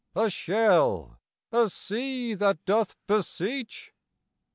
A shell, a Sea that doth beseech!